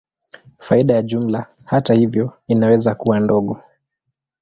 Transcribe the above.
Faida ya jumla, hata hivyo, inaweza kuwa ndogo.